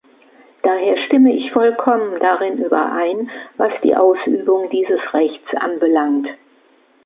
Daher stimme ich vollkommen darin überein, was die Ausübung dieses Rechts anbelangt.